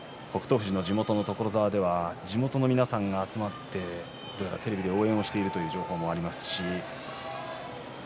富士の地元、所沢では地元の皆さんが集まってテレビで応援してるという情報もあります。